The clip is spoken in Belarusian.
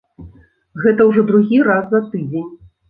Гэта ўжо другі раз за тыдзень.